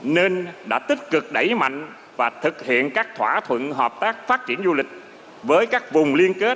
nên đã tích cực đẩy mạnh và thực hiện các thỏa thuận hợp tác phát triển du lịch với các vùng liên kết